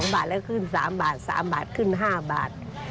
บาทแล้วขึ้น๓บาท๓บาทขึ้น๕บาท